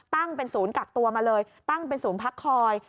ตั้งเป็นศูนย์กักตัวมาเลยตั้งเป็นศูนย์พักคอย